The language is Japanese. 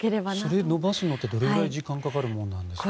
それを伸ばすのってどれくらい時間がかかるものですか？